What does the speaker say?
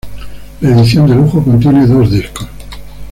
La edición de lujo contiene dos discos.